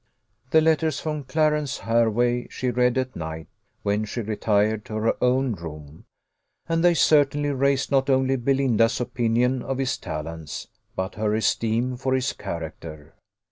The letters from Clarence Hervey she read at night, when she retired to her own room; and they certainly raised not only Belinda's opinion of his talents, but her esteem for his character.